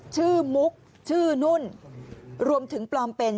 มุกชื่อนุ่นรวมถึงปลอมเป็น